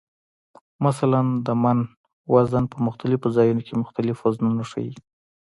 مثلا د "من" وزن په مختلفو ځایونو کې مختلف وزنونه ښیي.